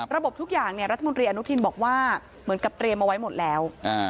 ทุกอย่างรัฐมนตรีอนุทินบอกว่าเหมือนกับเตรียมเอาไว้หมดแล้ว